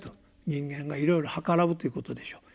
人間がいろいろはからうということでしょう。